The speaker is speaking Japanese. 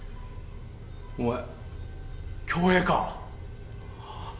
お前恭平か？